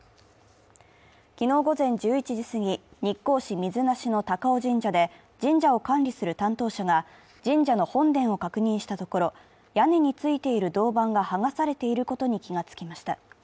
昨日午前１１時すぎ、日光市水無のたかお神社で、神社を管理する担当者が神社の本殿を確認したところ、屋根についている銅板が剥がされていることに気が付きました。